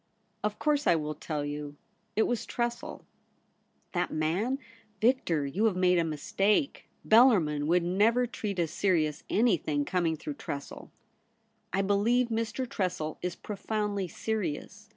'Of course I will tell you. It was TresseL' * That man ! Victor, you have made a mis take. Bellarmin would never treat as serious anything coming through TresseL' ' I believe Mr. Tressel is profoundly serious.